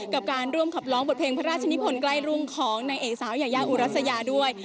กับการร่วมขับร้องบทเพลงพระราชนิพลใกล้รุ่งของนางเอกสาวยายาอุรัสยาด้วย